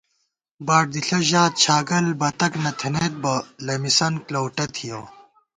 باڈ دِݪہ ژات چھاگل بتَک نہ تھنَئیت بہ لَمِسَن لؤٹہ تھِیَؤ